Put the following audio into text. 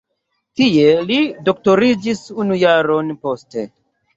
Tie li doktoriĝis unu jaron poste.